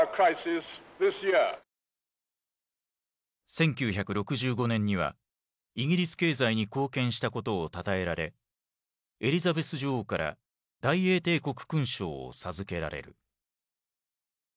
１９６５年にはイギリス経済に貢献したことをたたえられエリザベス女王から大英帝国勲章を授けられる。